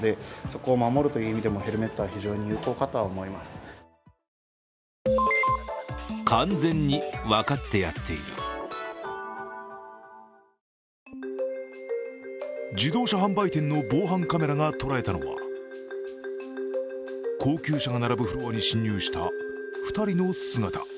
今回の投稿について自動車販売店の防犯カメラが捉えたのは高級車が並ぶフロアに侵入した２人の姿。